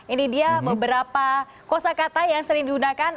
ini dia beberapa kosa kata yang sering digunakan